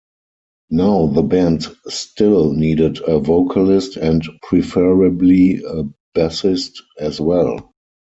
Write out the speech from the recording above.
Now the band still needed a vocalist and preferably a bassist as well.